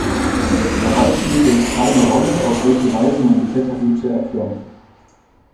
Dabei spielte es keine Rolle, auf welche Weise man die Kletterroute erklomm.